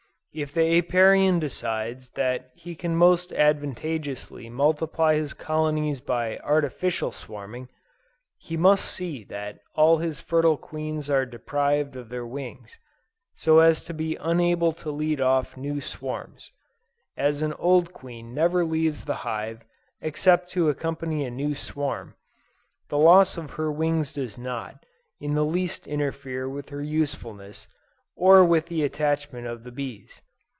If the Apiarian decides that he can most advantageously multiply his colonies by artificial swarming, he must see that all his fertile queens are deprived of their wings, so as to be unable to lead off new swarms. As an old queen never leaves the hive except to accompany a new swarm, the loss of her wings does not, in the least interfere with her usefulness, or with the attachment of the bees.